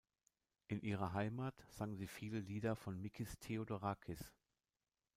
In ihrer Heimat sang sie viele Lieder von Mikis Theodorakis.